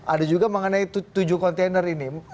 ada juga mengenai tujuh kontainer ini